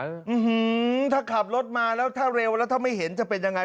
อืมถ้าขับรถมาแล้วถ้าเร็วแล้วถ้าไม่เห็นจะเป็นยังไง